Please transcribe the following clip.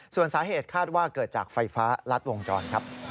ส่วนสาเหตุคาดว่าเกิดจากไฟฟ้ารัดวงจรครับ